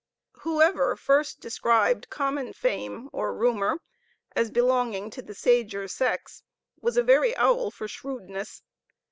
Whoever first described common fame, or rumor, as belonging to the sager sex, was a very owl for shrewdness.